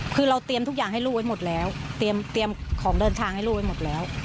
คือเราเตรียมทุกอย่างให้ลูกไว้หมดแล้วเตรียมของเดินทางให้ลูกไว้หมดแล้ว